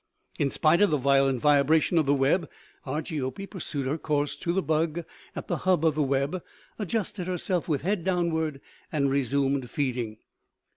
In spite of the violent vibration of the web, Argiope pursued her course to the bug at the hub of the web, adjusted herself with head downward, and resumed feeding.